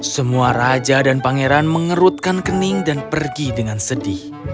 semua raja dan pangeran mengerutkan kening dan pergi dengan sedih